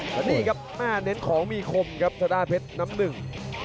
พยายามจะเติมที่หลุดซ้ายก็ออกใหม่ถึง